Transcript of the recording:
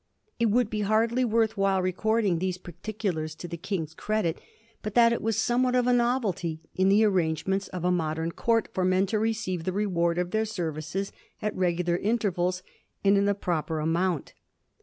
It would be hardly worth while recording these particulars to the King's credit, but that it was somewhat of a novelty in the arrange ments of a modem court for men to receive the reward of their services at regular intervals, and in the proper amount.